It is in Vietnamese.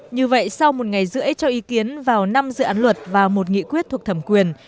như vậy sau một ngày rưỡi cho ý kiến vào năm dự án luật và một nghị quyết thuộc thẩm quyền